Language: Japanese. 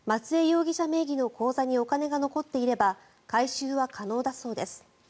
容疑者名義の口座にお金が残っていれば回収は可能だそうです。